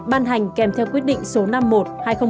ban hành kèm theo quyết định số năm mươi một hai nghìn hai